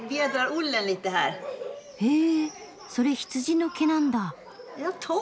へぇそれ羊の毛なんだ。